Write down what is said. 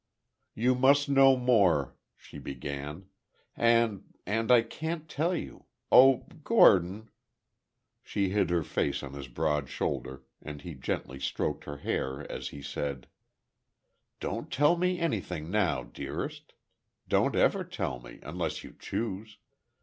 "You must know more—" she began, "and—and I can't tell you. Oh, Gordon—" She hid her face on his broad shoulder, and he gently stroked her hair, as he said: "Don't tell me anything now, dearest. Don't ever tell me, unless you choose.